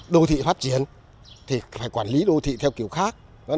đô thị phát triển thì phải quản lý đô thị theo kiểu khác